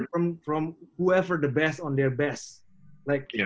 siapa yang terbaik pada orang terbaik